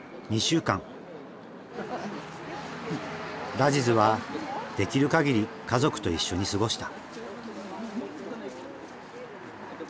ラジズはできるかぎり家族と一緒に過ごした。